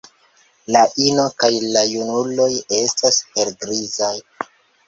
La ino kaj la junuloj estas helgrizaj.